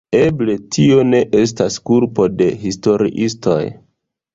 Eble tio ne estas kulpo de historiistoj.